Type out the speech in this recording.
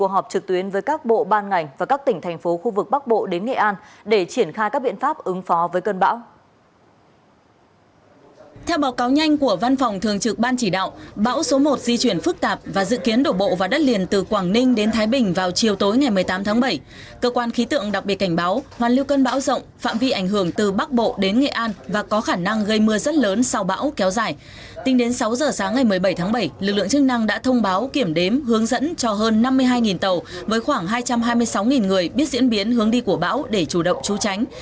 hôm sáng ngày một mươi bảy tháng bảy lực lượng chức năng đã thông báo kiểm đếm hướng dẫn cho hơn năm mươi hai tàu với khoảng hai trăm hai mươi sáu người biết diễn biến hướng đi của bão để chủ động trú tránh